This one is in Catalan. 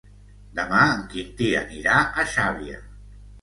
Demà en Quintí anirà a Xàbia.